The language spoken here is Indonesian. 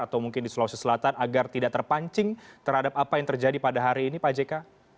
atau mungkin di sulawesi selatan agar tidak terpancing terhadap apa yang terjadi pada hari ini pak jk